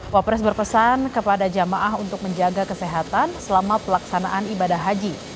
wapres berpesan kepada jamaah untuk menjaga kesehatan selama pelaksanaan ibadah haji